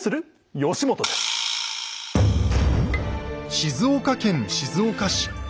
静岡県静岡市。